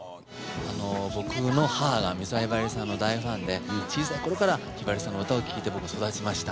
あの僕の母が美空ひばりさんの大ファンで小さい頃からひばりさんの歌を聴いて僕育ちました。